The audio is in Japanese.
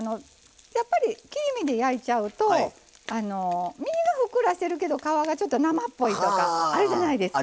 やっぱり切り身で焼いちゃうと身がふっくらしてるけど皮がちょっと生っぽいとかあるじゃないですか。